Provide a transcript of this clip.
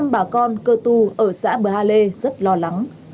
sáu trăm linh bà con cơ tu ở xã bờ ha lê rất lo lắng